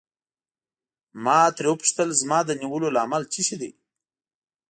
ما ترې وپوښتل زما د نیولو لامل څه شی دی.